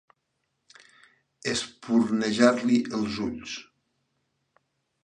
Espurnejar-li els ulls.